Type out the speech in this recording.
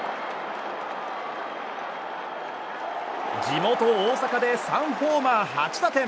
地元・大阪で３ホーマー８打点！